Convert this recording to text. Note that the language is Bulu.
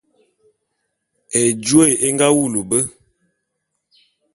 Ejôé é nga wulu be.